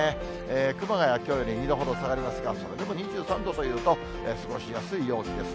熊谷、きょうより２度ほど下がりますが、それでも２３度というと、過ごしやすい陽気です。